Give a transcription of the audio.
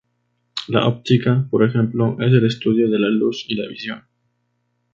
La "óptica", por ejemplo es el estudio de la luz y la visión.